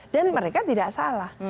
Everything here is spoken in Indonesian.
dan mereka tidak salah